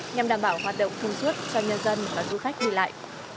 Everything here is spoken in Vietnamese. nhằm đảm bảo hoạt động thông suốt cho nhân dân và du khách đi lại